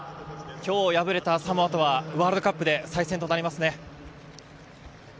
きょう敗れたサモアとはワールドカップで再戦となりますね。